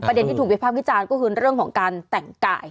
ที่ถูกวิภาควิจารณ์ก็คือเรื่องของการแต่งกาย